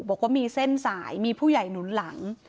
บอกว่ามีเส้นสายมีผู้ใหญ่หนุนหลัง